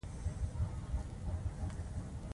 کاناډا یو فدرالي هیواد دی.